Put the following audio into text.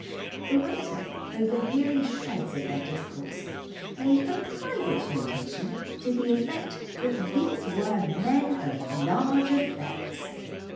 The waiter, overhearing shreds of their discourse, made a private notation to the effect that these were Men of Large Affairs.